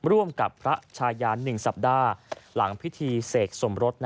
ร่วมกับพระชายา๑สัปดาห์หลังพิธีเสกสมรส